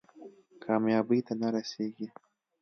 کامیابۍ ته نه رسېږي.